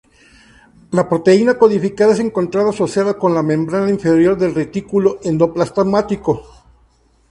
La proteína codificada es encontrada asociada con la membrana interior del retículo endoplasmático.